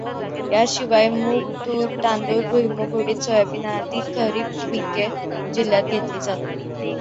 याशिवाय मूग, तूर, तांदूळ, भुईमूग, उडीद, सोयाबीन आदी खरीप पिके जिल्ह्यात घेतली जातात.